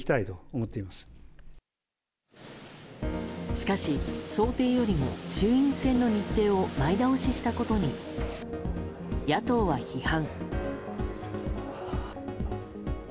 しかし、想定よりも衆院選の日程を前倒ししたことに野党は批判。